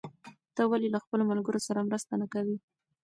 ته ولې له خپلو ملګرو سره مرسته نه کوې؟